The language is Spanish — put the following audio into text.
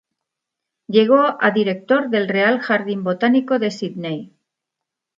Llegó a Director del Real Jardín Botánico de Sídney.